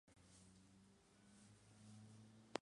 Ha participado en seis Copas del Mundo y en diez Eurocopas.